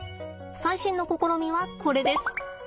最新の試みはこれです。